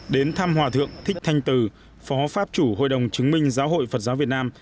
đến thăm hòa thượng thích thanh từ phó pháp chủ hội đồng chứng minh giáo hội phật giáo việt nam